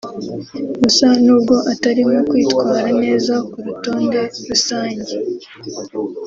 Gusa n’ubwo atarimo kwitwara neza ku rutonde rusange